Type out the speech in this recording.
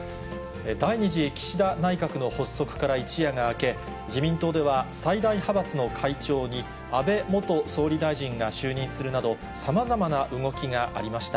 第２次岸田内閣の発足から一夜が明け、自民党では、最大派閥の会長に安倍元総理大臣が就任するなど、さまざまな動きがありました。